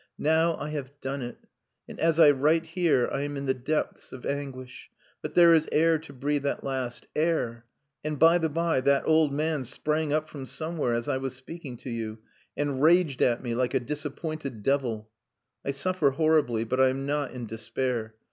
Now I have done it; and as I write here, I am in the depths of anguish, but there is air to breathe at last air! And, by the by, that old man sprang up from somewhere as I was speaking to you, and raged at me like a disappointed devil. I suffer horribly, but I am not in despair.